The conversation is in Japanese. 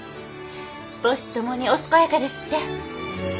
母子ともにお健やかですって。